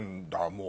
もう。